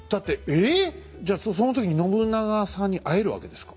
じゃその時に信長さんに会えるわけですか？